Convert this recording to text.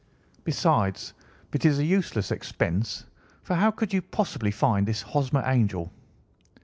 Besides, it is a useless expense, for how could you possibly find this Hosmer Angel?"